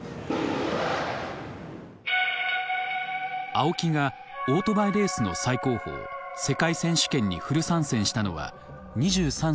青木がオートバイレースの最高峰世界選手権にフル参戦したのは２３歳の時。